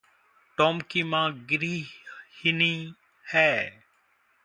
Tom की माँ गृहिणी है।